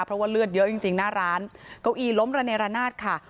เพราะว่าเลือดเยอะจริงจริงหน้าร้านเก้าอี้ล้มระเนรนาศค่ะ